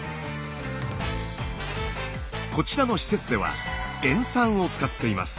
こちらの施設では塩酸を使っています。